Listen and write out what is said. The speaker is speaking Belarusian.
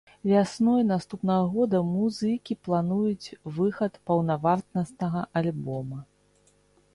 Вясной наступнага года музыкі плануюць выхад паўнавартаснага альбома.